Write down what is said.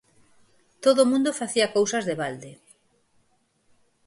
Todo o mundo facía cousas de balde.